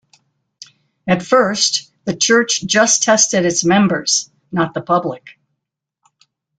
At first the church just tested its members, not the public.